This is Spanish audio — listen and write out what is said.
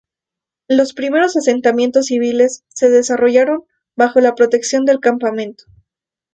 Los primeros asentamientos civiles se desarrollaron bajo la protección del campamento.